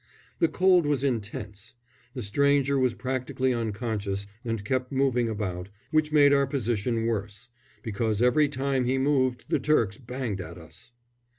The cold was intense. The stranger was practically unconscious and kept moving about, which made our position worse, because every time he moved the Turks banged at us.